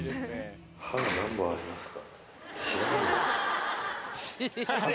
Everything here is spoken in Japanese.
歯が何本ありますか？